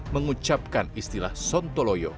mengucapkan istilah sontoloyo